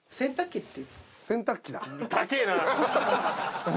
洗濯機だ。